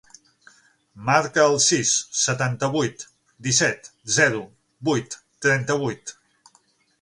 Marca el sis, setanta-vuit, disset, zero, vuit, trenta-vuit.